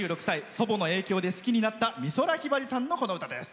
祖母の影響で好きになった美空ひばりさんの、この歌です。